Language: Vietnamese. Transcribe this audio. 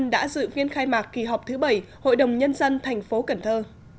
đã dự phiên khai mạc kỳ họp thứ bảy hội đồng nhân dân thành phố cần thơ